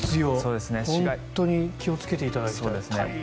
本当に気をつけていただいて。